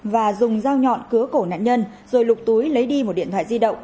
và dùng dao nhọn cứa cổ nạn nhân rồi lục túi lấy đi một điện thoại di động